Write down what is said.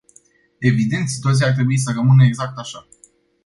Evident, situația ar trebui să rămână exact așa.